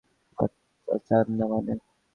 বাচ্চা চান না মানে?